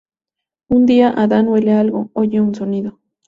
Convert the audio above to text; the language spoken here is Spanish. Un día, Adán huele algo, oye un sonido.